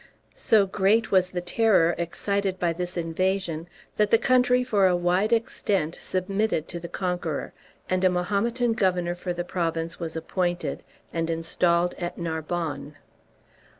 So great was the terror excited by this invasion, that the country for a wide extent submitted to the conqueror, and a Mahometan governor for the province was appointed and installed at Narbonne.